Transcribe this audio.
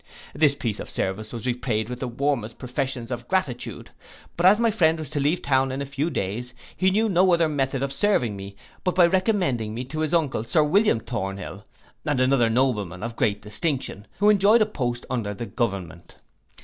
This piece of service was repaid with the warmest professions of gratitude; but as my friend was to leave town in a few days, he knew no other method of serving me, but by recommending me to his uncle Sir William Thornhill, and another nobleman of great distinction, who enjoyed a post under the government.